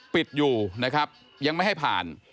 ปิดอยู่นะครับยังไม่ให้ผ่าน